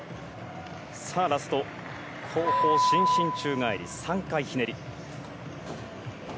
さあ、ラスト後方伸身宙返り３回ひねり。